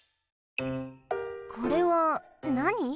これはなに？